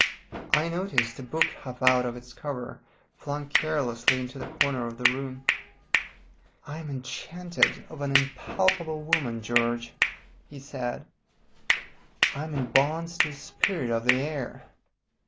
I noticed a book half out of its cover, flung carelessly into the corner of the room. "I am enchanted of an impalpable woman, George," he said, "I am in bonds to a spirit of the air.